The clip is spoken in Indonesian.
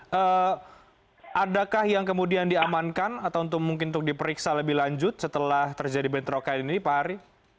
jadi adakah yang kemudian diamankan atau mungkin untuk diperiksa lebih lanjut setelah terjadi bentroka ini pak hari